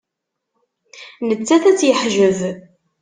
Nettat ad tt-yeḥjeb.